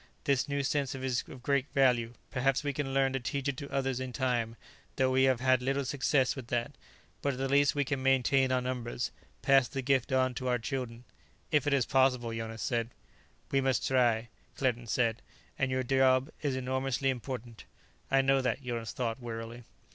This new sense is of great value; perhaps we can learn to teach it to others in time, though we have had little success with that. But at the least we can maintain our numbers, pass the gift on to our children " "If it is possible," Jonas said. "We must try," Claerten said. "And your job is enormously important." "I know that," Jonas thought wearily.